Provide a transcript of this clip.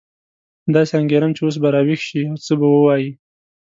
داسې انګېرم چې اوس به راویښ شي او څه به ووایي.